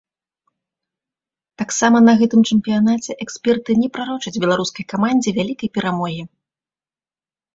Таксама на гэтым чэмпіянаце эксперты не прарочаць беларускай камандзе вялікай перамогі.